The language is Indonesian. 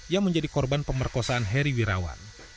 yang menjadi korban pemerkosaan heri wirawan